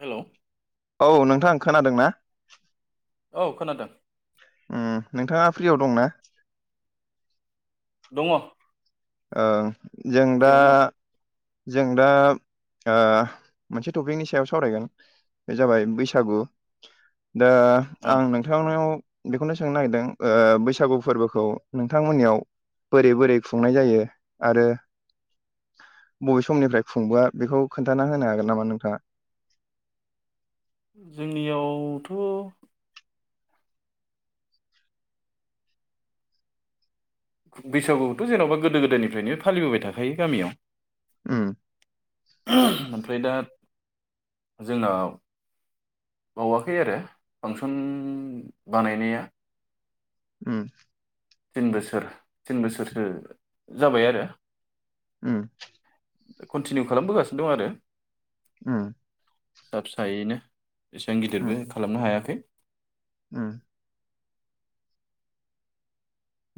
हेल' औ नोंथां खोनादों ना औ खोनादों उम नोंथाङा फ्रियाव दंना? दंङ ओं जों दा जों दा ओ मोनसे टपिकनि सायाव सावरायगोन बे जाबाय बैसागु दा दं औ आं नोंथांनाव बेखौनो सोंनो नागिरदों ओ बैसागु फोरबोखौ नोंथांमोननियाव बोरै बोरै खुं नाय जायो आरो बबे समनिफ्राय खुंबोआ बेखौ खोन्थाना होनो हागोन नामा नोंथाङा [inaudible] जोंनियावथ' बैसागुखौथ' जेन'बा गोदो गोदायनिफ्रायनो फालिबोबाय थाखायो गामियाव उम ओमफ्राय दा जोंनाव बावाखै आरो फांसन बानायनाया उम। तिन बोसोर तिन बोसोरसो जाबाय आरो। उम। कन्टिनिउ खालामबोगासिनो दं आरो। उम। फिसा फिसायैनो एसेबां उम गिदिरबो खालामनो हायाखै उम।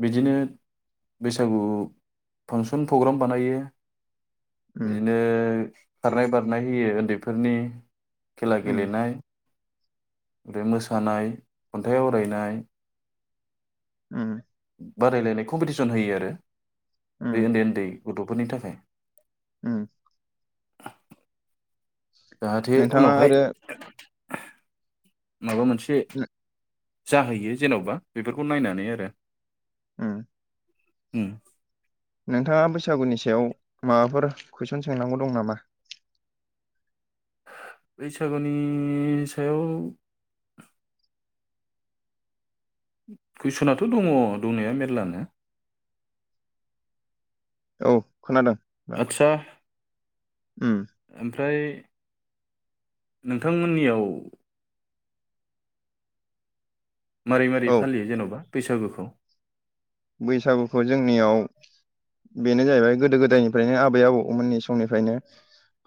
बिदिनो बैसागु फांसन प्रग्राम बानायो। उम बिदिनो खारनाय बारनाय होयो उन्दैफोरनि खेला उम गेलेनाय ओमफाय मोसानाय खन्थाइ आवरायनाय उम। बादायलायनाय कम्पिटिसन होयो आरो बे उम ओन्दै ओन्दै गथ'फोरनि थाखाय उम। [inaudible] जाहाथे नोंथाङा उनावहाय। आरो माबा मोनसे जाहैयो जेन'बा बेफोरखौ नायनानै आरो। उम उम। नोंथाङा बैसागुनि सायाव माबाफोर कुइसन सोंनांगौ दं नामा। बैसागुनि सायाव। कुइस'नाथ' दङ दंनाया मेरलानो। औ खोनादों। आदसा उम ओमफ्राय नोंथांमोननियाव। मारै मारै औ फालियो जेन'बा बैसागुखौ। बैसागुखौ जोंनियाव। बेनो जाहैबाय गोदो गोदायनिफ्रायनो आबै आबौमोननि समनिफ्रायनो।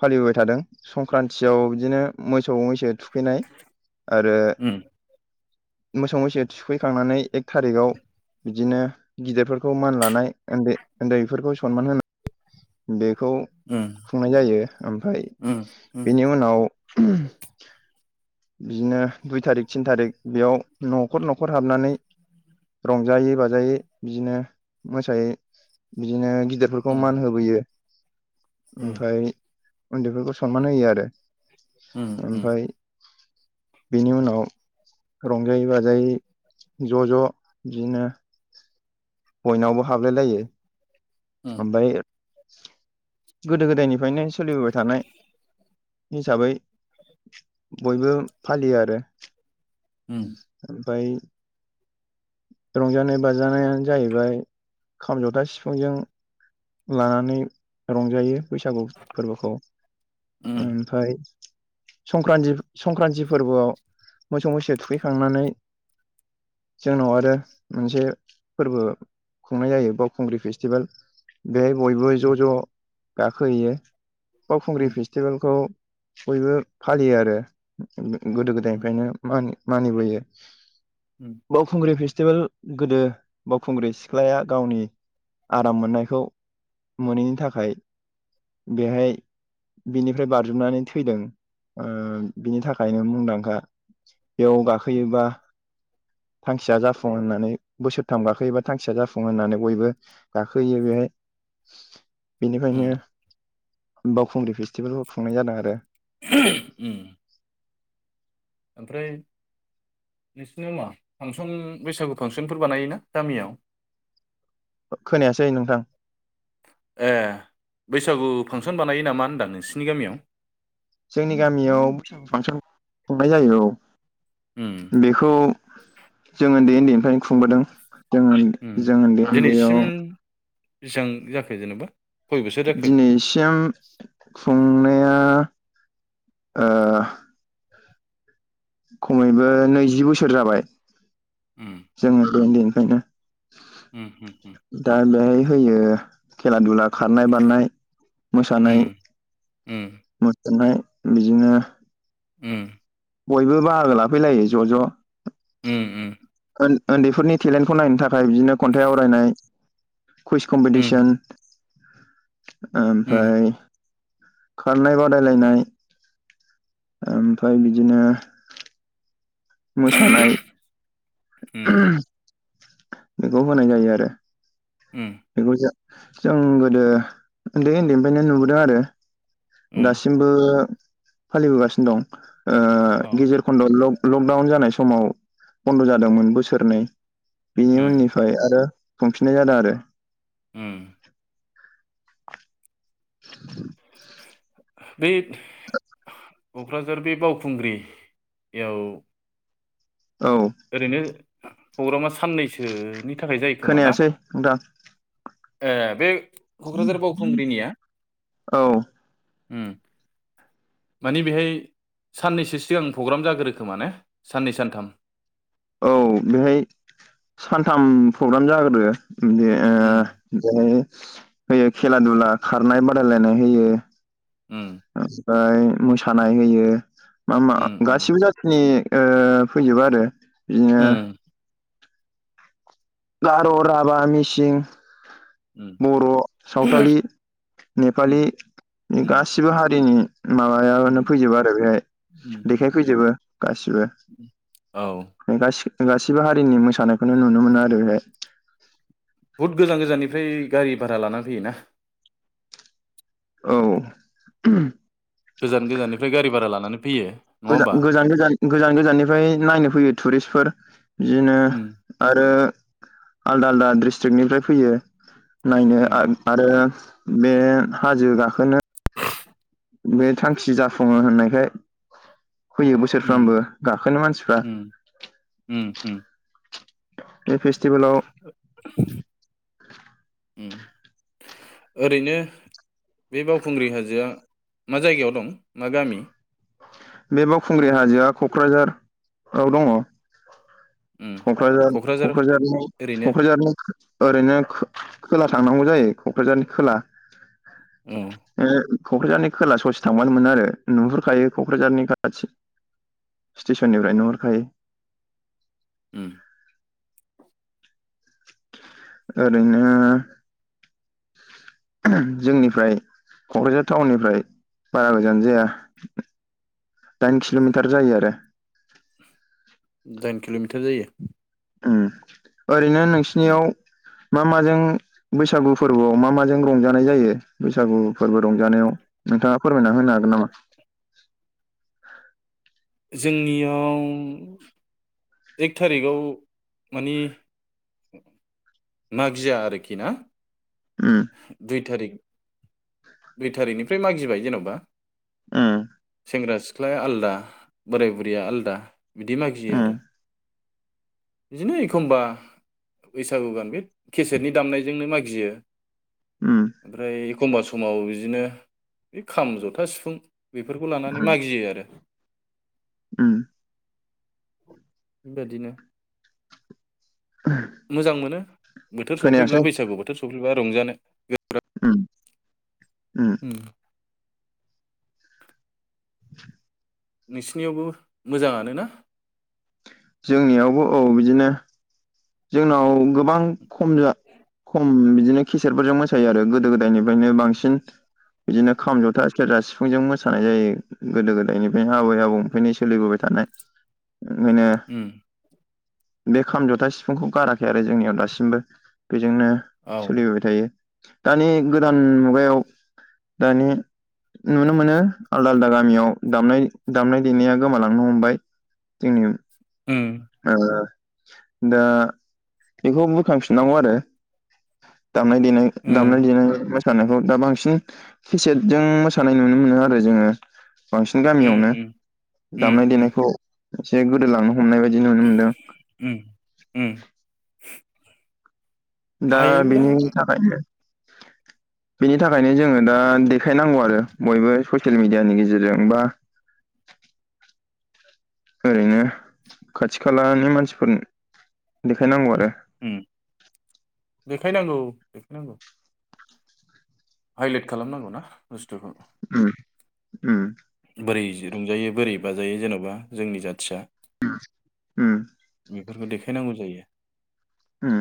फालिबोबाय थादों संक्रान्तियाव बिदिनो मोसौ मैसो थु खैनाय आरो। उम मोसौ मैसो थुखैखांनानै एक थारिखाव बिदिनो। गिदिरफोरखौ मान लानाय ओन्दै ओन्दैफोरखौ सनमान होनाय बे बखौ उम खुंनाय जायो ओमफाय उम बेनि उनाव। उमहम बिदिनो दुइ थारिख थिन थारिख बेयाव न'खर न'खर हाबनानै। रंजायै बाजायै बिदिनो मोसायै बिदिनो। गिदिरफोरखौ उम मान होबोयो। उम ओमफाय उन्दैफोरखौ सनमान होयो आरो उम उम ओमफाय। बेनि उनाव। रंजायै बाजायै ज' ज' बिदिनो। बयनावबो हाबलाय लायो ओमफाय। गोदो गोदायनिफायनो सोलिबोबाय थानाय। हिसाबै बयबो फालियो आरो। उम ओमफाय। रंजानाय बाजानायानो जाहैबाय खाम जथा सिफुंजों। लानानै रंजायो बैसागु फोरबोखौ उम ओमफाय। संक्रान्ति संक्रान्ति फोरबोआव मोसौ मैसो थुखैखांनानै। [inaudible] जोंनाव आरो मोनसे फोरबो खुंनाय जायो बावखुंग्रि फेस्टिभेल। बेहाय बयबो ज' ज' गाखोहैयो बावखुंग्रि फेस्टिभेलखौ। बयबो फालियो आरो गो-गोदो उम गोदायनिफ्रायनो मा-मानिबोयो‌। उम। बावखुंग्रि फेस्टिभेल गोदो बावखुंग्रि सिख्लाया गावनि। आराम मोननायखौ मोनैनि थाखाय। बेहाय बिनिफ्राय बारजुमनानै थैदों ओ। बिनि थाखायनो मुंदांखा बेयाव गाखोयोबा। थांखिया जाफुं होननानै बोसोरथाम गाखोयोबा थांखिया जाफुङो होननानै बयबो गाखोहैयो बेहाय। उम उम बेनिखायनो बावखुंग्रि फे सटिबेलखौ खुंनाय जादों आरो। उम ओमफ्राय। नोंसिना मा फांसन बैसागु फांसनफोर बानायोना गामियाव। खोनायासै नोंथां। ए बैसागु फांसन बानायो नामा होनदां नोंसिनि गामियाव। जोंनि गामियाव बैसागु फांसन खुंनाय जायो औ। उम बेखौ जोङो ओन्दै ओन्दै खुंबोदों जों उम जों उन्दै उन्दैयाव दिनैसिम बेसेबां जाखो जेनेबा खय बोसोर जाखो दिनैसिम खुंनो आ ओ खमैबो नैजि बोसोर जाबाय उम जोङो उन्दै उन्दैनिफ्रायनो उम हम हम दा बेहाय होयो खेला दुला खारनाय बारनाय मोसानाय उम उम मो नाय बिदिनो उम बयबो बाहागो लाफैलायो ज' ज' उम उन्दैफोरनि टेलेन्टखौ नायनो थाखाय बिदिनो खन्थाइ आवरायनाय कुइस उम उम कम्पिटिसन उम ओमफ्राय खारनाय बादायलायनाय ओमफ्राय बिदिनो मोसानाय उम बेखौ होनाय जायो आरो उम बेखौ जा जों गोदो उन्दै उन्दैनिफ्रायनो नुबोदों आरो उम दासिमबो फालिबोगासिनो दं ओ औ गेजेर खन्द' लक लकडाउन जानाय समाव बन्द' जादोंमोन बोसोरनै बेनि उम उननिफ्राय आरो खुफिननाय जादों आरो उम [inaudible] बे क'क्राझार बे बावखुंग्रियाव औ ओरैनो प्रग्रामा साननैसो नि थाखाय जायो खोमा ना खोनायासै नोंथां ए बे क'क्राझार बावखुंग्रिनिया औ माने बेहाय साननैसो सिगांं प्रग्राम जाग्रोयोखोमा ना साननै सानथाम औ बेहाय सानथाम प्रग्राम जाग्रोयो [unintelligible] बे उम ओ होयो खेला दुला खारनाय बादायलायनाय होयो उम ओमफ्राय मोसानाय होयो मा मा उम उम गासिबो जाथिनि ओ फैजोबो आरो बिदिनो उम गार', राभा, मिसिं, उम बर', सावथालि उम नेपालि उम गासिबो हारिनि उम माबायानो फैजोबो आरो बेहाय उम देखायफैजोबो गासिबो उम औ गा सिबो हारिनि मोसानायखौनो नुनो मोनो आरो बेहाय बुहुद गोजान गोजाननिफ्राय गारि भारा लानानै फैयोना औ उम गोजान गोजाननिफ्राय गारि भारा लानानै फैयो नङा होमबा गोजान गोजान गोजान गोजाननिफ्राय नायनो फैयो टुरिस्टफोर बिदिनो उम आरो आलदा आलदा ड्रिस्ट्रिकनिफ्राय फैयो नायनो उम आरो बे हाजो गाखोनो बे थांखि जाफुङो होननायखाय फैयो उम बोसोरफ्रामबो गाखोनो मानसिफ्रा उम उम उम बे फेस्टिबेलाव उम ओरैनो बे बावखुंग्रि हाजोआ मा जायगायाव दं मा गामि बे बावखुंग्रि हाजोआ क'क्राझाराव दङ। उम कक्राझार क'क्राझारनि ओरैनो क'क्राझारनि ओरैनो खो-खोला थांनांगौ जायो क'क्राझारनि खोला उम क'क्राझारनि खोला ससे थांबानो मोनो आरो नुहुरखायो। क' क्राझारनि खाथि स्टेसननिफ्राय नुहरखायो। उम ओरैनो जोंनिफ्राय क'क्राझार टाउननिफ्राय बारा गोजान जाया। दाइन किल'मिटार जायो आरो। दाइन किल'मिटार जायो। ओम ओरैनो उम नोंसिनियाव मा माजों बैसागु फोरबोआव मा माजों रंजानाय जायो बैसागु फोरबो रंजानायाव नोंथाङा फोरमायना होनो हागोन नामा? जोंनियाव एक थारिखाव मानि मागिया आरोखि ना उम दुइ थारिख दुइ थारिखनिफ्राय मागिबाय जेन'बा ओम सेंग्रा सिख्लाया आलदा बोराय बुरैया आलदा बिदि मागियो आरो। उम बिदिनो एखमबा बैसागु गान बे केसेटनि दामनायजोंनो मागियो। उम ओमफ्राय एखमबा समाव बिदिनो बे खाम जथा सिफुं बेफोरखौ लानानै उम मागियो आरो। उम बेबादिनो मोजां मोनो बोथोर खोनायासै सफैब्ला बैसागु बोथोर सफैब्ला रंजानो। ओम उम [unintelligible] नोंसिनियावबो मोजाङानो ना? जोंनियावबो औ बिदिनो जोंनाव गोबां खम जा खम बिदिनो खिसेरफोरजों मोसायो आरो गोदो गोदायनिफ्रायनो बांसिन बिदिनो खाम जथा सेरजा सिफुंजों मोसानाय जायो गोदो गोदायनिफ्रायनो आबै आबौनिफ्रायनो सोलिबोबाय थानाय [inaudible] बेनो उम बे खाम जथा सिफुंखौ गाराखै आरो जोंनियाव दासिमबो बेजोंनो औ सोलिबोबाय थायो दानि गोदान मुगायाव दानि नुनो मोनो आलदा आलदा गामियाव दामनाय दामनाय देनाया गोमालांनो हमबाय। जोंनिनो उम ओ दा एखौ बुरखांफिननांगौ आरो दामनाय देनाय उम दामनाय देनाय मोस सानायखौ दा बांसिन केेसेटजों मोसानाय नुनो मोनो आरो जोङो। बांसिन उम गामियावनो उम दामनाय उम देनायखौ एसे गोदोलांनो हमनाय बायदि नुनो मोनदों। उम उम दा हायोब्ला बिनि थाखायनो बेनि थाखायनो जोङो दा देखायनांगौ आरो बयबो ससियेल मिडियानि गेजेरजों बा [unintelligible] ओरैनो खाथि खालानि मानसिफोर देखायनांगौ आरो। देखायनांगौ देखायनांगौ हाइलाइट खालामनांगौना बुस्थुखौ। उम उम। बोरै रंजायो बोरै बाजायो जेन'बा जोंनि जाथिया उम। बेफोरखौ देखायनांगौ जायो ओम।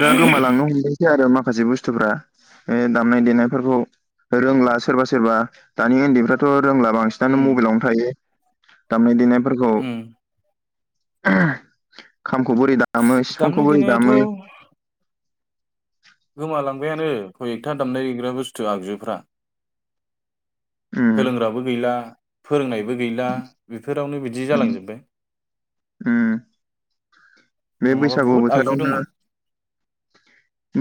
दा गोमालांनो हमदोंसै आरो माखासे बुस्थुफ्रा बे दामनाय देनायफोरखौ रोंला सोरबा सोरबा दानि उन्दैफ्राथ' रोंला बांसिनानो उम मबाइलावनो थायो दामनाय देनायफोरखौ उम खामखौ बोरै दामो सिफुंखौ बोरै थ' दामो गोमालांबायानो खय एकथा दामग्रा- देग्रा बुस्थु आगजुफ्रा उम सोलोंग्राबो गैला फोरोंनायबो बो गैला बेफोरावनो बिदि उम जालांजोब्बाय उम बे नङाबा बैसागु बहुत आगजु बोथोरावनो दंमोन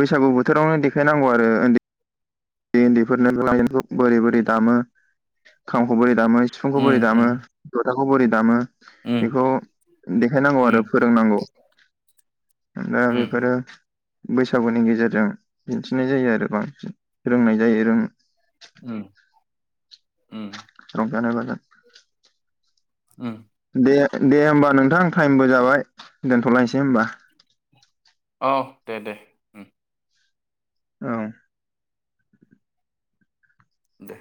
बैसागु बोथोरावनो देखायनांगौ आरो उन्दै उन्दैफोरनो लाइनखौ बोरै बोरै दामो खामखौ बोरै दामो सिफुंखौ उम बोरै दामो उम जथाखौ बोरै दामो उम बेखौ देखायनांगौ उम आरो फोरोंनांगौ दा उम बेफोरो बैसागुनि गेजेरजों दिन्थिनाय जायो आरो बांसिन रोंनाय जायो रों उम। उम रंजानाय-बाजा ओ दे दे होमबा नोंथां टाइमबो जाबाय दोनथ'लायसै होमबा औ दे दे। औ। दे